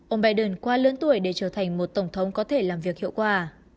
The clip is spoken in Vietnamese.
ông biden quá lớn tuổi để trở thành một tổng thống có thể làm việc hiệu quả